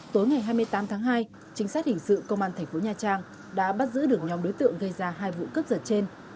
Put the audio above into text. tối ngày hai mươi tám tháng hai chính sách hình sự công an thành phố nha trang đã bắt giữ được nhóm đối tượng gây ra hai vụ cướp giật trên